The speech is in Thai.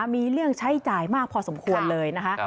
มีเรื่องใช้จ่ายมากพอสมควรเลยนะคะ